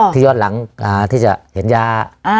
ที่ย้อนหลังที่จะเห็นยา